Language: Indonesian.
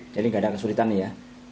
jadi tidak ada kesulitan ya